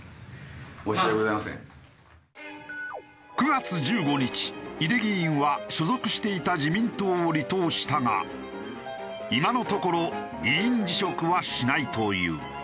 ９月１５日井手議員は所属していた自民党を離党したが今のところ議員辞職はしないという。